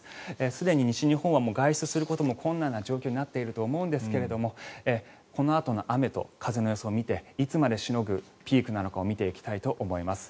すでに西日本は外出するのも困難な状況になっていると思うんですがこのあとの雨と風の予想を見ていつまでしのぐピークなのかを見ていきたいと思います。